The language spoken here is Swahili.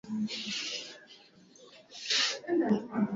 Magonjwa machache sana ya kitabibu yanayojitokeza